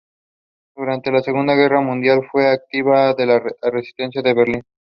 Durante la Segunda Guerra Mundial fue un activista de la resistencia en Berlín.